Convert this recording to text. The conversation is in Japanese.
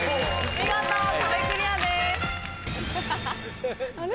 見事壁クリアです。